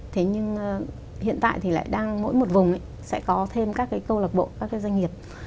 thế nhưng hiện tại thì lại đang mỗi một vùng sẽ có thêm các cái câu lạc bộ các cái doanh nghiệp